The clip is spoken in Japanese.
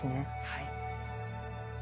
はい。